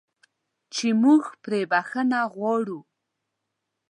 چې موږ پرې بخښنه غواړو.